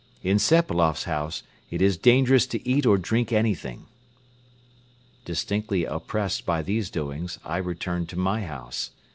In Sepailoff's house it is dangerous to eat or drink anything." Distinctly oppressed by these doings, I returned to my house.